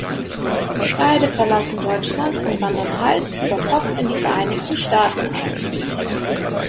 Beide verlassen Deutschland und wandern Hals über Kopf in die Vereinigten Staaten aus.